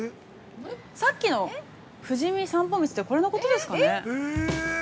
さっきの富士見散歩路ってこれのことですかね。